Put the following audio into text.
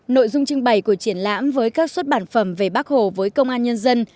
nội dung trưng bày của triển lãm với các xuất bản phẩm về bác hồ với công an nhân dân